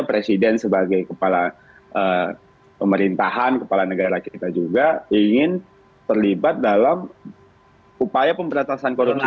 presiden sebagai kepala pemerintahan kepala negara kita juga ingin terlibat dalam upaya pemberantasan korupsi